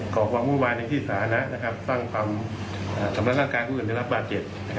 ขอความวุ่นวายในที่สาธารณะสร้างความทำร้ายร่างกายผู้อื่นได้รับบาดเจ็บ